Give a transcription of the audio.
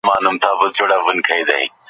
هر غښتلی چي کمزوری سي نو مړ سي